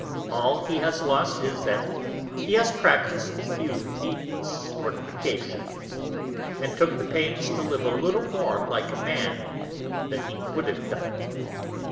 All he has lost is, that he has practis'd a few needless Mortifications, and took the pains to live a little more like a Man than he wou'd have done.